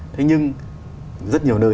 thế nhưng rất nhiều nơi